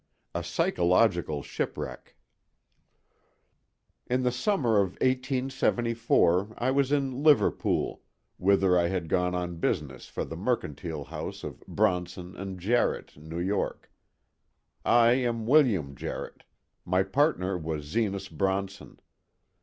A PSYCHOLOGICAL SHIPWRECK IN the summer of 1874 I was in Liverpool, whither I had gone on business for the mercantile house of Bronson & Jarrett, New York. I am William Jarrett; my partner was Zenas Bronson.